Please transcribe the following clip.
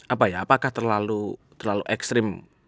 apa ya apakah terlalu ekstrim